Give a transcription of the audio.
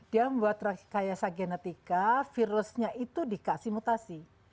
dia membuat rekayasa genetika virusnya itu dikasih mutasi